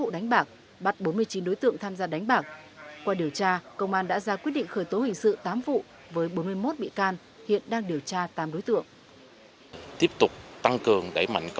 đánh bạc ăn tiền dưới hình thức đánh bài xì rách